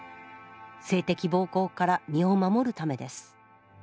性的暴行から身を守るためです。